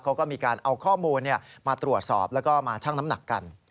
เขาก็มีการเอาข้อมูลมาตรวจสอบแล้วก็มาชั่งน้ำหนักกัน